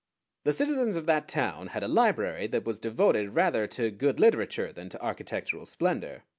The citizens of that town had a library that was devoted rather to good literature than to architectural splendor.